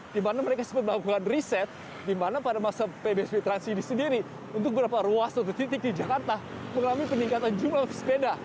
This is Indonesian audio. di mana mereka sempat melakukan riset di mana pada masa psbb transisi sendiri untuk beberapa ruas atau titik di jakarta mengalami peningkatan jumlah pesepeda